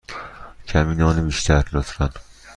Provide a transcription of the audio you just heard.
کمی نان بیشتر، لطفا.